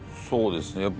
そうですね